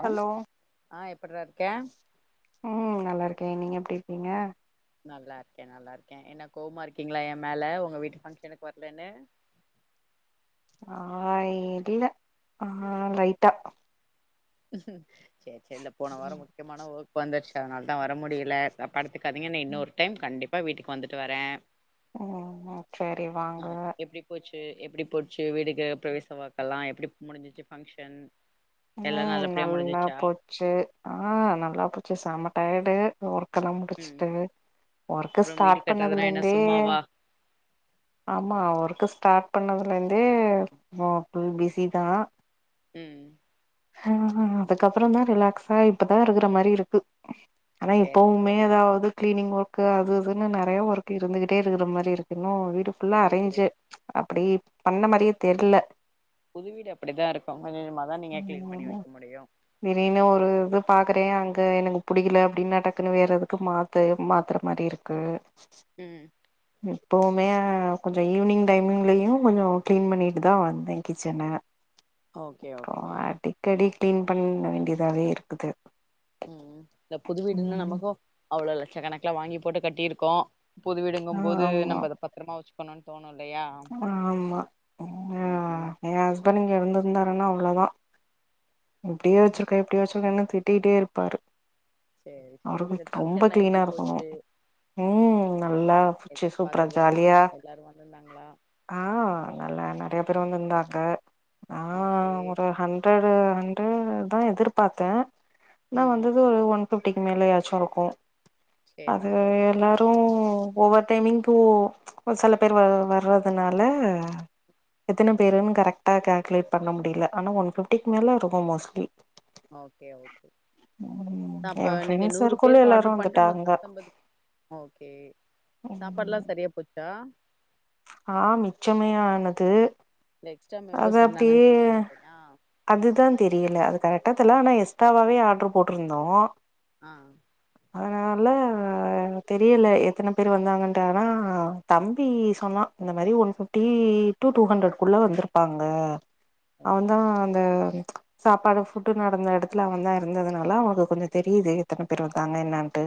அம் hello ஆ எப்புட்றா இருக்க உம் நல்லா இருக்கேன் நீங்க எப் டி இருக்கீங்க நல்லா இருக்கேன் நல்லா இருக்கேன் என்ன கோவமா இருக்கீங்களா என் மேல உங்க வீட்டு ஃபங்க்ஷனுக்கு வரலன்னு ஆஹ் இல்ல ஆஹ் லைட்டா உஹம் சரி சரி இல்ல போன வாரம் முக்கியமான ஒர்க் வந்துருச்சு அதனால தான் வர முடியல தப்பா எடுத்துக்காதீங்க நா இன்னொரு டைம் கண்டிப் அப்பா வீட்டுக்கு வந்துட்டு வரேன் உம் சரி வாங்க எப்படி போச்சு வீடுக்கு கிறபிரவேசம் ஓர்க்கலாம் எப்படி முடிஞ்சச்சு பங்க்ஷன் உம் நல்லா போச்சு ஆஹ் நல்லா போச்சு சா ட்டாய்டு ஒர்க் ஒர்க்ல ம் முடிச்சட்டு ஒர்க் அப்றோ வீடு ஸ்டார்ட் கட்றதுனா என்ன பண்ணதுலந்தே சும்மாவா ஆமா ஒர்க்க ஸ்டார் பண்ணதுல இருந்தே மாபு பிஸி தான் உம் ஆஹ் அதுக்கப்புறம் தான் ரிலாக்ஸா இப்பதான் இருக்குற மாதிரி இருக்கு ஆனா சேரி இப்பவுமே சேரி ஏதாவது கிளீனிங் ஒர்க் அது இதுன்னு நிறைய ஒர்க் இருந்துகிட்டே இருக்கிற மாதிரி இருக்கு இன்னும் வீடு ுல்லா புரியுது அரேஞ்சு அப்படி பண்ண மாதிரியே தெரியல புது வீடு அப்படிதான் இருக்கும் உ திரினு ஒரு இது பாக்குறேன் எனக்கு பிடிக்கல அப்படின்னு டக்குன்னு வேற அதுக்கு மாத்து மாத்துற மாதிரி இருக்கு உம் எப்போவுமே கொஞ்சம் ஈவி்னிங் டைமிங்லயும் கொஞ்சம் க்ளீன் பண்ணிட்டு தான் வந்தேன் கிச்சன ஓகே ஓகே ஓகே அடிக்கடி கிளீன் பண்ண வேண்டியதாவே இருக்குது உம் இந்த புது வீடுன்னா ம் நமக்கும் அவ்வளோ லட்சக்கணக்கில் வாங்கி போட்டு கட்டியிருக்கோம் பொதுவிடுங்கும் போது நம்ம அத பத்திரமா வச்சுோம் க்கணும்னு தோணும் ஆமாஹ ம் ம் என் ஹஸ்பண்ட் இங்க இருந்து இருந்தருேன்னா அவ்வளோதான் எப்படியே வச்சிருக்கன் எப்படி வச்சிருக்கேன்னு திட்டே இருன் பாரு சரி சரி இ பங்க்ஷன் எல்லாம் கிளீனா எப்படி இருக்கணு போச்சு ம் நல்லா புச்சு எதர் சூப்பரா பார்த்தத எல்லாம் எல்லாரும் வந்திருந்தாங்களா ஆஹ் நல்ல நிறைய பேர் வந்து இருந்தாங்க ஓகே ஆஹ் ஒரு ஹண்ட்ரட ஹண்ட்ரட் தான் எதிர்பார்த்தேன் நான் ம் வந்தது ஒரு ஒன் ிப்டிக்கு மேலே ஏயாச்சும் இருக்கும் சேரி அது சேரி எல்லாரும் ஓவர் டைமிங்கோ சில பேர் வர்வது னால எத்தன பேருன்னு கரெக்டா கால்குலேட் பண்ண முடியல ஆனா ஒன் ஃபிஃப்டிக்கு ஓ மேல இருக்கு மோஸ்ட்லி ஓகே ஓகே ம் எ அப்ப நீங்க ஃப்ரெண்ட்ஸ் நூறு சர்க்குள்ள பேருக்கு எல்லாரு ஆர்டரு பண்டு வந்துட்டாங்க நூத்தம்பது ஓகே சாப்பாடுலா செரியா போச்சா ஆஹ் மிச்சமேயானது இல்ல எக்ஸ்ட்ரா அது மெம்பர்ஸ் வந்தாங்கன்னு அப்டியே சொல்றீங்க இல்லையா அதுதான் தெரியல அது கரெக்டா தெரில்ல ஆனா எஸ்டாவாவே ஆர்டர் போட்டு இருந்த ஆ அதனால தெரியல எத்தன பேர் வந்தாங்கன்டு அதன் தம்பி சொன்னா இந்த மாதிரி ஒரு ஃப்பிட்டி டூஹண்ட்ரட்குள்ள வந்துரு விப்பாங்க அவன் தா ஓகே அந்த சாப்பாடு ஃபுட்டு நடந்த எடத்துல அவன்தாயிருந்ததுனால அவனுக்கு கொஞ்ச தெரியுது எத்தன பேர் வந்தாங்க என்னான்ட்டு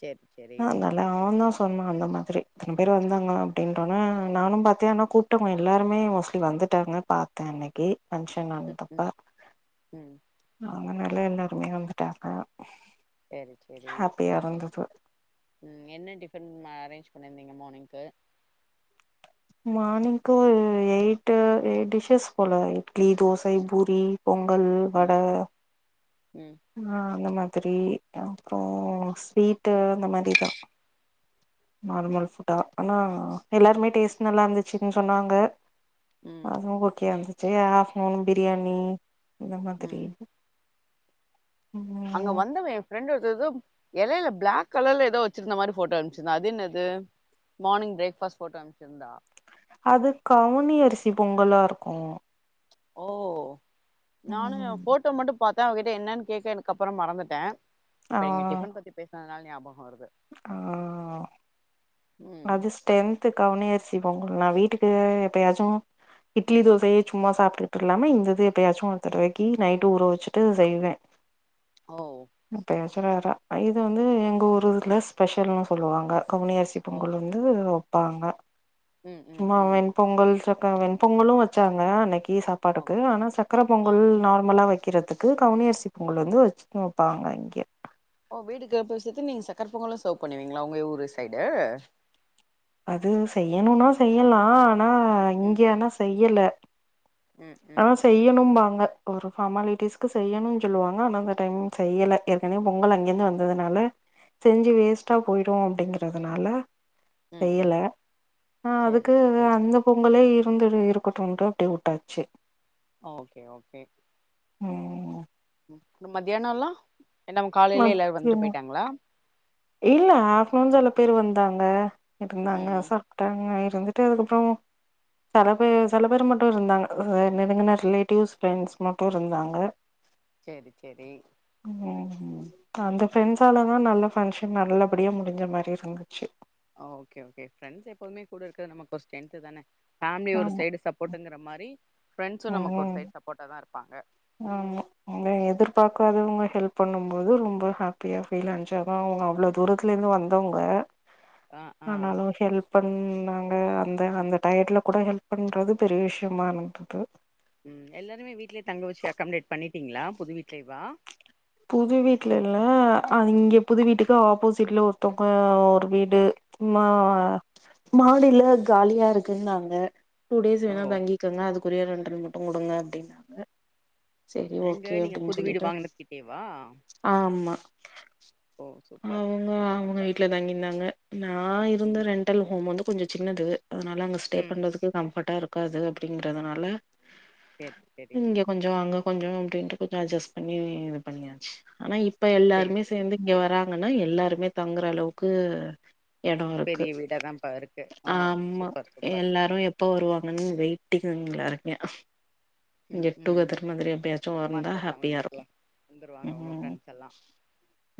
சேரி சேரி ஆ நல்லா அவன்தா சொன்னா அந்த மாரி இத்தன பேர் வந்தாங்க அப்டின்ற நானோம் பாத்தேன் கூப்டவங்க எல்லாருமே மோஸ்ட்லி வந்து ட்டாங்க பார்த்தே அன்னைக்கு ஃபன்ஷன் ம் ம் நடந்தப்ப ம் அந்த மாதிரி தான் எல்லாருமே வந்துட்டாங்க செரி செரி ஹாப்பியா இருந்தது உம் என்ன டிஃபன் அரேஞ் பண்ணிருந்தீங்க மார்னிங் க மார்னிங்கு எயிட் எயிட் டிஸ்ஷஸ் போல இட்லி தோச பூரி பொங்கல் வட ம் ம் ஆ அந்த மா திரி அப்பறோ ஸ்வீட்டு அந்த மாரிதா நார்மல் ஃபுட்டா ஆனா எல்லாருமே டேஸ்ட் நல்லாயிருந்துச்சுன்னு சொன்னாங்க ம் அவா ஓகேஆனாது சைய்யா ஆப்டநூன் பிரியாணி எந்த மாதிரி ம் அங்க ம் வந்தவே என் ஃப்ரெண்ட் ஒரு எலையில பிளாக் கலர்ல ஏதோ வெச்சியிருந்தா மாரி போட்டோ அனுப்சிருந்தா அது என்னது மார்னி்ங் பிரேக்ஃபாஸ்ட் போட்டோ அனுப்சிருந்தா அது கவுனி அரிசி பொங்கலாயிருக்கும் ஓ நானு ம் போட்டோ மட்டும் பாத்தா அவக்கிட்ட என்னன்னு கேட்க எனக்கப்பறோ மறந்துட்டே இப்ப நீங்க டிஃபன் பத்தி பேச இந்த நாள் ஞாபகம் வரும் ஆஹ் ம் அது ஸ்ட்ரென்த் கவுனி அரிசி பொங்கல்லா வீட்டுக்கு எப்பயாச்சும் இட்லி தோசயே சும்மா சாப்டுட்டு இல்லாம இந்தது எப்பயாச்சும் ஒருத்தடவைக்கி நைட்டு ஊற வெச்சுட்டு செய்வேன் ஓ இது வந்து எங்க ஊர்ல ஸ்பெஷல்னு சொல்லுவாங்க கவுனிய ஓ பொங்கல் வந்து பாங்க ம் ம் ம் மாவென்பொங்கல் ச வெண்பொங்கலும் வச்சாங்க அன்னைக்கு ஓ சாப்பாடுக்கு ஆனா சக்கர ஆ பொங்கல் நார்மலா வைக்க வைக்கிறதுக்கு கவனிய அரிசி பொங்கல் வந்து வச்சு வைப்பாங்க இங்க ஓ வீட்டுக்குப்பவிசயத்து நீங்க சர்கக்கர பொங்கலும் செவ் பண்ணுவீங்களா உங்க ஊரு சைடு அது செய்யணும்னா செய்யலாம் ஆனா ம் இங்கே ஆனா செய்யல ம் ம் ஆனா செய்யணும்பாங்க ஒரு ஃபார்மாலிட்டிஸ்க்கு செய்யணும்னு சொல்லுவாங்க ஆனா அந்த டைம் செய்யல ஏற்கனவே பொங்கல் அங்கேந்து வந்ததுனால செஞ்சு வேஸ்ட்டா போயிடும் அப்படிங்கறதுனால ம் ம் செய்யல ஆஹ் சேரி அதுக்கு சேரி அந்த பொங்கலே இரு இருந்து இருக்கட்டும்னு அப்படி விட்டாச்சு ஓகே ஓகே உம் மத்தியானம் எல்லாம் மத்த இல்ல அபிடேர்நூன் பேர் வந்தாங்க இருந்தாங்க ம் சாப்பிட்டாங்க இருட்டு அதுக்கறம் சில பே சில பேர் மட்டும் இருந்தாங்க என்னங்கன்ன ரிலேட்டிவ்ஸ்ண்ட்ஸ் மட்டும் இருந்தாங்க சரி சரி ம் அந்த பிரெண்ட்ஸ்ாலதான் நல்ல பங்க்ஷன் நல்லபடியா முடிஞ்ச மாதிரி இருந்துச்சு ஓகே ஓகே ஃரெண்ட்ஸ் எப்பவுமே கூட இருக்கிறது நமக்கு ஒரு ஸ்ட்ரன்த் தானே ஃமிலி ஒரு ஆமா சைடு சப்போர்ட் ங்கிற மாதிரி ஃபிரெண்டஸும் நமக்கு ஒரு சை சப்போ்ட்டா தான் இருக்கும் இருப்பாங்க ஆமாங்க எதிர்பார்க்காதவங்க ஹெல்ப் பண்ணும்போது ரொம்ப ஹாப்பியா ஃபீல் அஞ்சாங்க அவங்க அவ்வளவு தூரத்துல இருந்து வந்தவங்க ஆ ஆ ஆனாலும் ஹெல்ப் பண்ணாங்க அந்த அந்த தயட்டுல கூட ஹெல்ப் பண்றது பெரிய விஷயமா இருந்தது உம் எல்லாருமே வீடலயே தங்க வச்சு அக்கௌம்டாட் பண்ணவிிட்டிங்களா புது வீட்டலைவா புது வீட்டுல இல்ல இங்க புது வீட்டுக்கு ஆப்போசிட்ல ஒருத்தவங்க ஒரு வீடு மா மாடியில காலியா இருக்குன்னு நாங்க டூ டேஸ் ஓ வேணா தங்கிக்கங்க அதுக்குரிய ரண்டட்டும் போடுங்க அப்படின்னா சரி எங்க ஓகே நீங்க அப்டின்னு புது வீடு சொல்லிட்டு வாங்குனதுகிட்டேவா ஆமா ஓ சூப்பர் அவங்க அவங்க பரவால்ல வீட்டுல தங்கியிருந்தாங்க நான் இருந்த ம் ரெண்டடல் ஹோம் வந்து கொஞ்சம் சி ன்னது அதனால அங்க ஸ்டே ம் பண்ணறக்கு கம்ஃபர்டா இருக்கும் க்காது அப்படிங்கறிறதுனால சேரி சேரி இங்க கொஞ்சம் அங்க கொஞ்சம் அப்படின்ட்டு கொஞ்ச அ்ஜஸ்ட் பண்ணி பண்ணியாச்சு ஆனா இப்ப இப்ப சேரி எல்லாருமே சேரி சேர்ந்து இங்க சேரி வராங்கன்னா எல்லாருமே தங்குற அளவுக்கு இடம் இருக்கு பெரிய வீடாதான்ப்பா இருக்கு ஓ ஆமா சூப்பர் சூப்பர் எல்லாரும் எப்ப வருவாங்கன்னு வெயிட்டிங இருக்கு என் ம் ம் ம் கெட்டுகெதர் மாதிரி எப்பயாச்சும் வந்தா வந்துர்லா ஹாப்பியாரும் வந்துர்லா வந்துருவாங்க உங்க ஃப்ரெண்ட்ஸ் எல்லாம்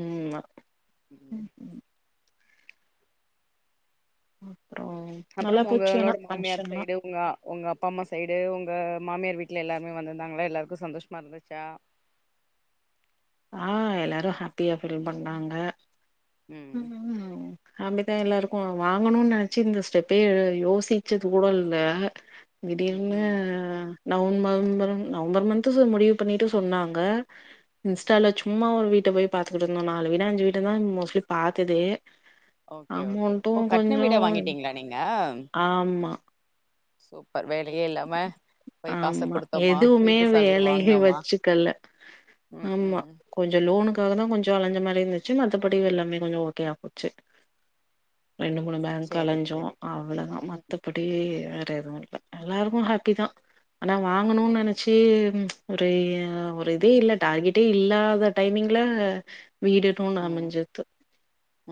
ம் உம் உம் அப்புறம் உங்களோட மாமியார் சைடு உங்க உங்க அப்பா அம்மா சைடு உங்க மாமியார் வீட் வீட்ல எல்லாருமே வந்திருந்தாங்களா எல்லாருக்கும் சந்தோஷமா இருந்துச்சா ஆஹ் எல்லாரும் ஹாப்பியா ஃபீல் பண்ணாங்க உம் அப்டிதான் எல்லாருக்கும் வாங்கணும்னு நினைச்சு இந்த ஸ்டெப்பே யோசிச்சது கூட இல்ல ம் திடீர்னு ம் நவ நவம்பர் நவம்பர் மன்து முடிவு பண்ணிட்டு சொன்னாங்க இன்ஸ்டால சும்மா ஒரு வீட்ட போய் பாத்துகிட்டு இருந்தோம் நாலு வீடு அஞ்சு வீடு தான் மோஸ்ட்லி பார்த்துது ஓகே ஓகே ஓ கட்ன வீடா வாங்கிட்டீங்களா நீங்க ஆமா சூப்பர் வேலையே இல்லாம போய் காச ஆமா குடுத்தோமா எதுவுமே வீட்டு சாவிய வேலையே வாங்குனோமா வச்சுக்கல ம் ஆமா ம் கொஞ்சம் லோனுக்கு அக்காகதான் கொஞ்சம் அலைஞ்ச மாதிரி இருந்துச்சு மத்தபடி எல்லாமே கொஞ்சம் ஓகே ஆ போச்சு ரெண்டு மூணு பேங்க் சேரி அலஞ்சோம் சேரி அவ்ளோதான் ம் மத்தபடி [unintelligible] எல்லாருக்கும் ஹாப்பி தான் ஆனா வாங்கணும்ன்னனு ஓகே நினச்சி ஒரு ஒரு இதே இல்ல டார்கெட்டே இல்லாத டைமிங்ல வீடுன்னு ஒன்னு உம் அமைஞ்சுது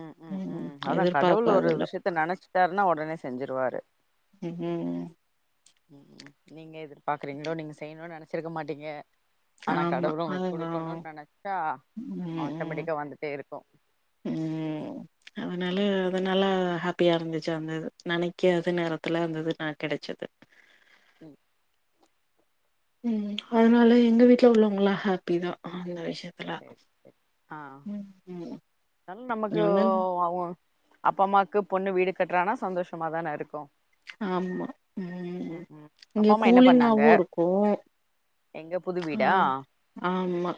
உம் உம் ம் உம் அதான் கடவுள் ஒரு எதிர்பாக்காததுல விஷயத்த நினைச்சுட்டாருன்னா உடனே செஞ்சிருவாரு ம் உம் நீங்க எதிர்பார்க்குறீங்களோ நீங்க செய்யணும்னு நினைச்சிருக்க மாட்டீங்க ஆனா ஆமா கடவுள் ஆ உங்களுக்கு குடுக்கணுன் உம் நெனச்சா உம் ஆட்டோமேட்டிக்கா வந்துட்டே இருக்கு உம் அதனால அதனால அப்படியா இருந்துச்சு அந்த நெனைக்காத நேரத்துல அந்தது நான் கெடச்சது ம் உம் அதனால எங்க வீட்டுல உள்ளவங்களாம் ஹாப்பிதான் அந்த விஷயம் சரி சரி ஆஹ் ம் அதல்ல நமக்கு இருந்தாலு அவன் அப்பா அம்மாக்கு பொண்ணு வீடு கட்டறானா சந்தோஷமாதானே இருக்கும் ஆமா உம் இங்க அப்பா அம்மா என்ன பண்ணாங்க கூலிங்காவும் இருக்கும் எங்க புது வீடா ஆஹ் ஆமா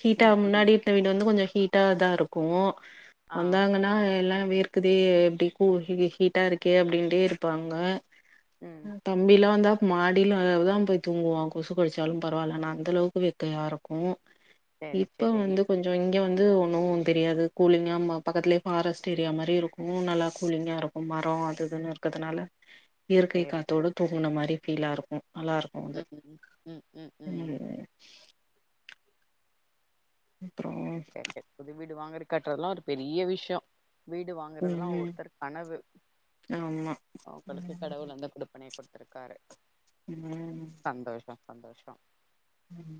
ஹீட்டா ம் ம் முன்னாடிருந்தவீடு வந்து கொஞ்சம் ஹீ டா தான் இருக்கும் ஆ வந்தாங்கன்னா எல்லாம் வேர்க்குது எப்படி கூ ஹீட்டா இருக்கே அப்படின்ட்டே ப்பாங்க ம் தம்பிலா வந்தா மாடியிலதான் போய் தூங்குவான் கொசு கடிச்சாலும் பரவால்ல ஆனா அந்த அளவுக்கு வெக்கையா இருக்கும் சேரி இப்ப சேரி வந்து கொஞ்சம் இங்கே வந்து ஒன்னும் தெரியாது கூலிங்காக பக்கத்திலேயே ஃபாரஸ்ட் ஏரியா மாரி இருக்கும் நல்லா கூலிங்காக இருக்கும் மரம் அதுன்னு இருக் முக்கதுனால இயற்கை சேரி காத்தோடு சேரி தூங்குன மாரி ஃபீலாருக்கும் நல்லா இருக்கும் வந்து ம் ம் ம் ம் ம் உம் அப்றோ கே கே புது வீடு வாங்கரக் கட்டுறதுல்லாம் ஒரு பெரிய விஷயம் வீடு வாங்குறதெல்லாம் ம் ஒருத்தர் கனவு ஆமா அவங்களுக்கு கடவுள் அந்த குடுப்பணை கொடுத்துருக்காரு உம் சந்தோஷம் உம்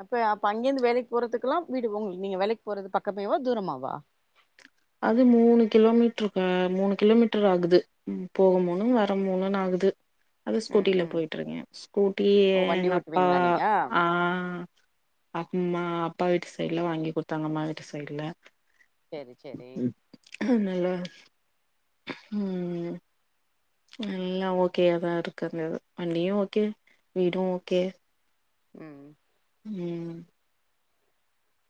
அப்ப அப்ப அங்கேயந்து வேலைக்கு போறதுக்குெல்லாம் வீடு உங்க நீங்க வேலைக்கு போறதுக்கு பக்கமேவா தூரமாவா அது மூணு கிலோமீட்டர் மூணு கிலோமீட்டர் ஆகுது போக மூணு வர மூணுனு ஆகுது அது ம் ஸ்கூட்டில ம் போயிட்டுருக்கேன் ஸ்கூட்டி ஓ வண்டி எங்க அப்பா ஓட்டுவீங்களா நீங்க ஆஹ் அம்மா அப் அப்பா வீட்டு சைடு்ல வாங்கி கொடுத்தாங்க அம்மா வீட்டு சைடு்ல சேரி சேரி க்ம் ல்ல உம் எல்லாம் ஓகேயாதா இருக்கு வண்டியும் ஓகே வீடும் ஓகே உம் உம்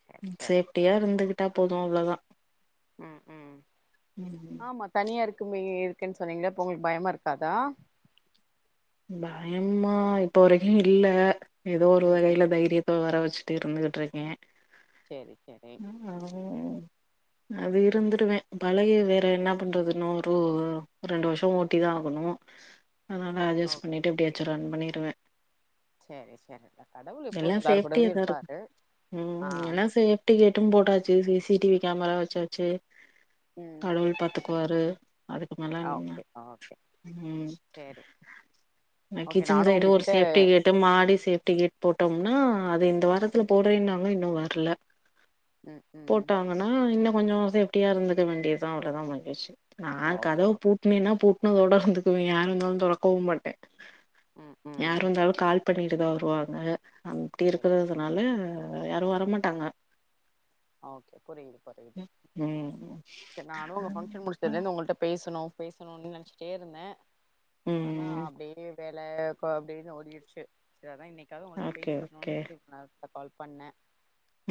சேர் சேர் சேப்டியாயிருந்து ட்டா போதோ அவ்ளோதா ம் ம் ம் ஆமா தனியாயிரு க்குமே இருக்குன்னு சொன்னீங்களே அப்ப உங்களுக்கு பயமாயிருக்காதா பயம்மா இப்ப வெரிக்கோ இல்ல ஏதோ ஒரு ம் வகையில ம் தைரியத்த வர வெச்சு ட்டு இருந்துகுட்டுயிருக்கே சேரி சேரி ஹா அது இருந்துடுவே பழகி வேற என்ன பண்றது இன்னோ ஒரு ரெண்டு வருஷோ ஓட்டிதா ஆகனோ அதனால ஓகே பண்ணிட்டு ஓகே எப்டியாச்சோ ரன் பண்ணிருவே சேரி சேரி கடவுள் எல்லா எப்போது எல்லாரு கூடவே சேஃப்டியாதாயிருக்கு இருப்பாரு உம் ஆ எல்லா சேஃப்டி கேட்டோ போட்டாச்சு சி சி டிவி கேமரா வெச்சாச்சு ம் கடவுள் பாத்துக்குவாரு அதுக்கு மேல என்ன ஓகே ஓகே உம் சேரி ஓகே கிச்சன் நானு சைடு ஒரு உங்ககிட்ட சேஃப்டி கேட்டு மாடி சேப்டி கேட் போட்டோம் ஆனா அது இந்த வாரத்துல போடுறேன்னாங்க இன்னோ வரல்ல ம் ம் போட்டாங்கன்னா இன்னோ கொஞ்சோ சேப்டியா இருந்துக்க வேண்டியதுதா அவ்ளோதா மகிழ்ச்சி நா ஓகே கதவ ஓகே பூட்டுனேன்னா பூட்டு னதோட இருந்துக்குவே யாரு வந்தாலோ தொறக்கவே மாட்டே ம் ம் யார் வந்தாலோ கால் பண்ணிட்டுதா வருவாங்க அப்டி சேரி சேரி இருக்குறதுனால யாரோ வரமாட்டாங்க ஓகே புரியுது புரியுது ம் நானோ உங்க ஃபங்ஷன் முடிச்சதுலயிருந்து உங்கள்ட பேசணோ பேசணோம்னே நெனச்சிட்டேயிருந்தே ஆனா ம் அப்டியே வேலக்கோ அப்டின்னு ஓடிடுச்சு சேரி அதா இன்னிக் காது உங்கள்ட ஓகே பேசிடணோம்னு சொல்லிட்டு இப்ப டேரெக்ட்டா கால் பண்ணே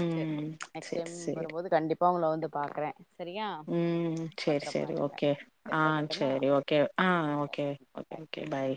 உம் செம் வரும்போது கண்டிப் பா உங்கள வந்து பார்க்குறே உம் சேரி சேரி ஓகே சரி ஆஹ் வைக்கட்டுமா சேரி ஓகே ஆஹ் ஓகே பாய் ஓகே ஓகே பாய்